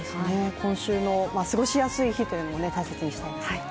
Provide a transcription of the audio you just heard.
今週の過ごしやすい日を大切にしたいですね。